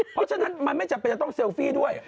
เพราะฉะนั้นมันไม่จำเป็นจะต้องเซลฟี่ด้วย